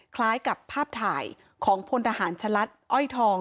คล้ายกับภาพถ่ายของพลทหารชะลัดอ้อยทอง